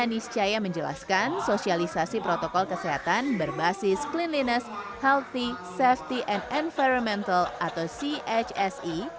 niscaya menjelaskan sosialisasi protokol kesehatan berbasis cleanliness healthy safety and environmental atau chse